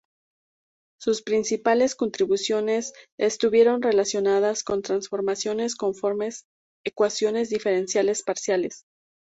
Sus principales contribuciones estuvieron relacionadas con transformaciones conformes y ecuaciones diferenciales parciales.